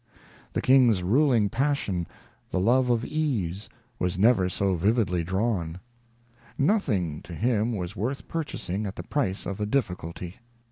The King's ruling INTRODUCTION. xxiii ruling passion, the love of ease, was never so vividly drawn. Nothing to him was worth purchasing at the price of a difficulty.